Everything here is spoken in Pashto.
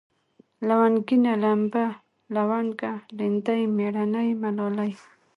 لونگينه ، لمبه ، لونگه ، ليندۍ ، مېړنۍ ، ملالۍ